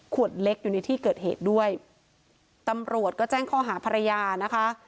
เล็กอยู่ในที่เกิดเหตุด้วยตำรวจก็แจ้งข้อหาภรรยานะคะ